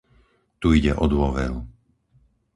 Tu ide o dôveru.